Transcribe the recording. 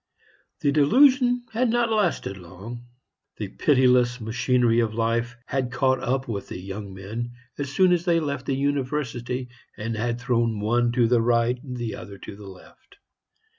The delusion had not lasted long. The pitiless machinery of life had caught up the young men as soon as they left the university, and had thrown one to the right, the other to the left.